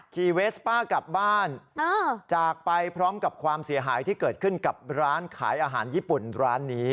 เวสป้ากลับบ้านจากไปพร้อมกับความเสียหายที่เกิดขึ้นกับร้านขายอาหารญี่ปุ่นร้านนี้